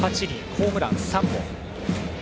ホームラン３本。